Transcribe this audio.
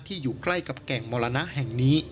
อยู่ใกล้กับแก่งมรณะแห่งนี้